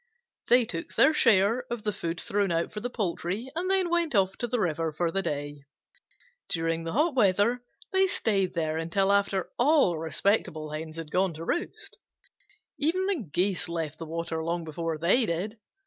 They took their share of the food thrown out for the poultry, and then went off to the river for the day. During the hot weather they stayed there until after all respectable Hens had gone to roost. Even the Geese left the water long before they did.